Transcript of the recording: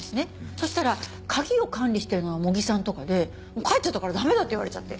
そしたら鍵を管理してるのは茂木さんとかでもう帰っちゃったから駄目だって言われちゃって。